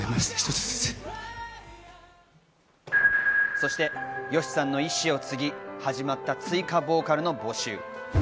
そしてＹＯＳＨＩさんの遺志を継ぎ、始まった追加ボーカルの募集。